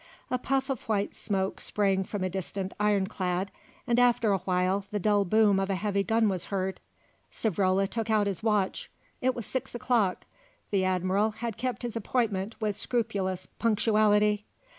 A puff of white smoke sprang from a distant ironclad, and after a while the dull boom of a heavy gun was heard. Savrola took out his watch; it was six o'clock; the Admiral had kept his appointment with scrupulous punctuality.